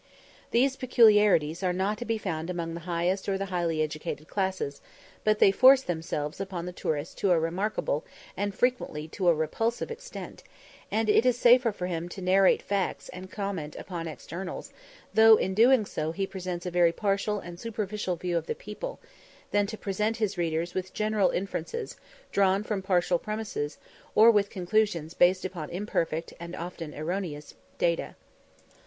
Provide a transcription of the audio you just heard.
These peculiarities are not to be found among the highest or the highly educated classes, but they force themselves upon the tourist to a remarkable, and frequently to a repulsive, extent; and it is safer for him to narrate facts and comment upon externals, though in doing so he presents a very partial and superficial view of the people, than to present his readers with general inferences drawn from partial premises, or with conclusions based upon imperfect, and often erroneous, data.